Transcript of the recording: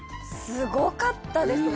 すごかったですね